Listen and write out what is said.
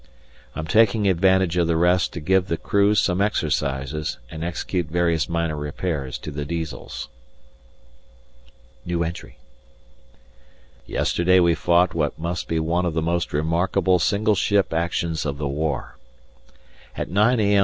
I'm taking advantage of the rest to give the crew some exercises and execute various minor repairs to the Diesels. Yesterday we fought what must be one of the most remarkable single ship actions of the war. At 9 a.m.